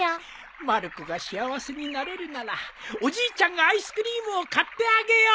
まる子が幸せになれるならおじいちゃんがアイスクリームを買ってあげよう。